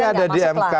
ini ada di mk